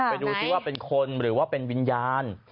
ไปดูซิว่าเป็นคนหรือว่าเป็นวิญญาณ